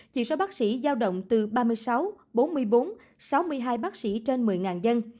chỉ số bác sĩ giao động từ ba mươi sáu bốn mươi bốn sáu mươi hai bác sĩ trên một mươi dân